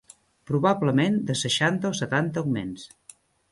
Probablement de seixanta o setanta augments